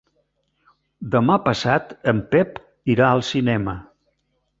Demà passat en Pep irà al cinema.